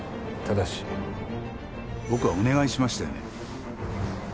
ただし僕はお願いしましたよね。